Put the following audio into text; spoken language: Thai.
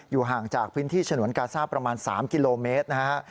ห่างจากพื้นที่ฉนวนกาซ่าประมาณ๓กิโลเมตรนะฮะ